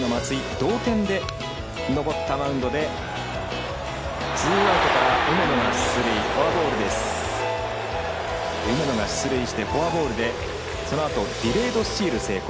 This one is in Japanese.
同点で登ったマウンドでツーアウトから梅野が出塁フォアボールで、そのあとディレードスチール成功。